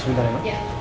sebentar ya mak